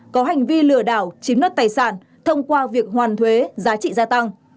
có hành vi lừa đảo chiếm đất tài sản thông qua việc hoàn thuế giá trị gia tăng